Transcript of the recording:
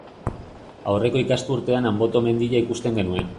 Aurreko ikasturtean Anboto mendia ikusten genuen.